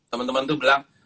temen temen tuh bilang